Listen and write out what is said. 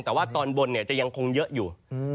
แต่ว่าตอนบนจะยังคงเยอะอยู่